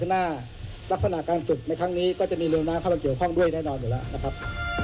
หน้าลักษณะการฝึกในครั้งนี้ก็จะมีริวน้ำเข้ามาเกี่ยวข้องด้วยแน่นอนอยู่แล้วนะครับ